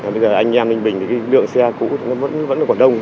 bây giờ anh em ninh bình thì lượng xe cũ nó vẫn còn đông